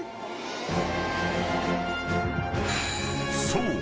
［そう。